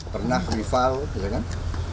pernah rival ya kan